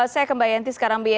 saya ke mbak yanti sekarang